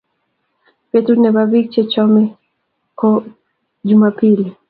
Betut nepo bik che chome ke ko jumapili